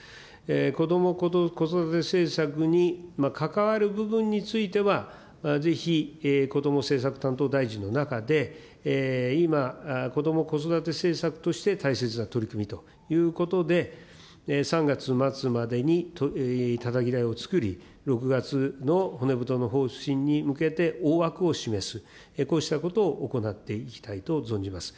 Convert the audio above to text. こども・子育て政策に関わる部分については、ぜひこども政策担当大臣の中で、今、こども・子育て政策として大切な取り組みということで、３月末までにたたき台を作り、６月の骨太の方針に向けて、大枠を示す、こうしたことを行っていきたいと存じます。